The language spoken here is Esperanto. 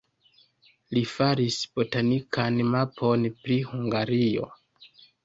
Li faris botanikan mapon pri Hungario.